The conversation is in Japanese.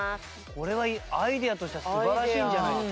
これはアイデアとしては素晴らしいんじゃないですか？